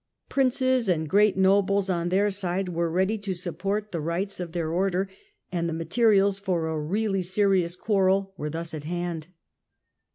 Princes and great nobles on their side were ready to support the rights of their order, and the materials for a really serious quarrel were thus at hand.